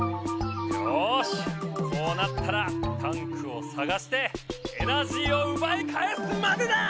よしこうなったらタンクをさがしてエナジーをうばいかえすまでだ！